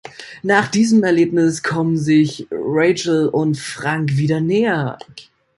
Nach diesem Erlebnis kommen sich Rachel und Frank wieder näher.